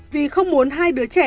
vì không muốn hai đứa trẻ